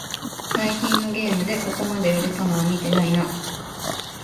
最近のゲームでここまで売れたのは見てないな